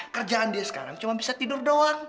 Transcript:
kerjaan dia sekarang cuma bisa tidur doang